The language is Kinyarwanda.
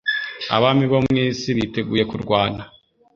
Abami bo mu isi biteguye kurwana,